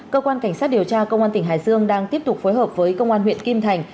cơ quan cảnh sát điều tra công an tỉnh hải dương đang tiếp tục phối hợp với công an huyện kim thành